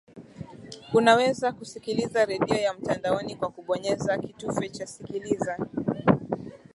unaweza kusikiliza redio ya mtandaoni kwa kubonyeza kitufe cha sikiliza